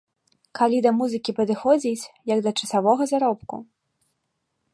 Калі да музыкі падыходзіць, як да часовага заробку.